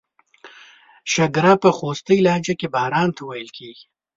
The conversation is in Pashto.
شیګیره په خوستی لهجه کې باران ته ویل کیږي.